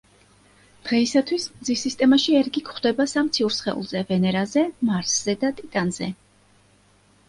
დღეისათვის მზის სისტემაში ერგი გვხვდება სამ ციურ სხეულზე: ვენერაზე, მარსზე და ტიტანზე.